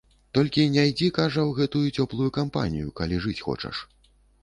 Толькі не ідзі, кажа, у гэтую цёплую кампанію, калі жыць хочаш.